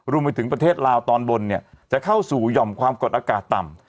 รวมไปถึงประเทศลาวตอนบนเนี่ยจะเข้าสู่หย่อมความกดอากาศต่ำ